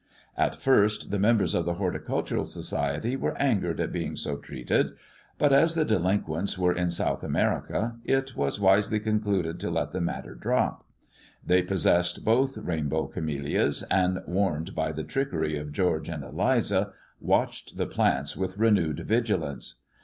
At first the members of the Horticultural Society were angered at being so treated, but as the delinquents were in South America, it was wisely concluded to let the matter drop. They possessed both rainbow camellias, and, warned by the trickery of George and Eliza, watched the plants with renewed vigilance.